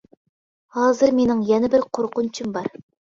ھازىر مېنىڭ يەنە بىر قورقۇنچۇم بار.